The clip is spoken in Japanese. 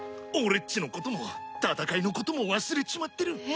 俺っちのことも戦いのことも忘れちまってる。